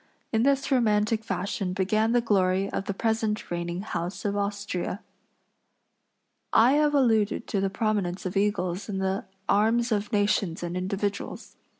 In this romantic fashion began the glory of the present reigning house of Austria. I have alluded to the prominence of eagles in the arms of nations and individuals.